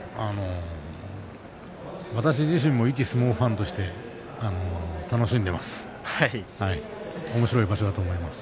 私自身も一相撲ファンとして楽しんでいます。